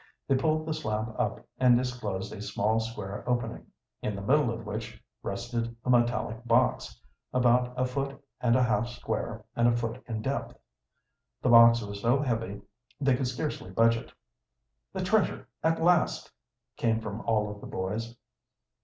They pulled the slab up and disclosed a small square opening, in the middle of which rested a metallic box, about a foot and a half square and a foot in depth. The box was so heavy they could scarcely budge it. "The treasure at last!" came from all of the boys.